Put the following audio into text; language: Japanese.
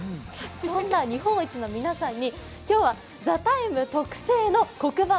そんな日本一の皆さんに今日は「ＴＨＥＴＩＭＥ，」特製の黒板